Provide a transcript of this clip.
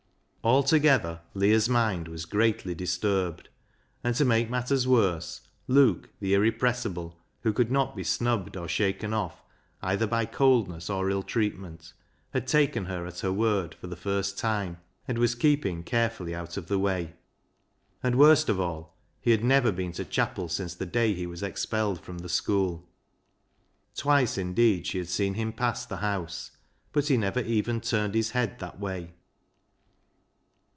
Altogether Leah's mind was greatly disturbed, and to make matters worse, Luke, the irrepres sible, who could not be snubbed or shaken off either by coldness or ill treatment, had taken LEAH'S LOVER 6i her at her word for the first time and was keeping carefully out of the way. And worst of all, he had never been to chapel since the day he was expelled from the school. Twice indeed she had seen him pass the house, but he never even turned his head that way.